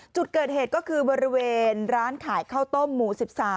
จุดเกิดเหตุก็คือบริเวณร้านขายข้าวต้มหมู่๑๓